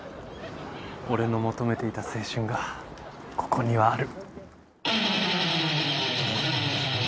俺の求めていた青春がここにはある。